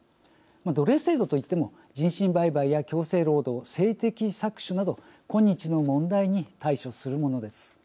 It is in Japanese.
奴隷制度といっても人身売買や強制労働性的搾取など今日の問題に対処するものです。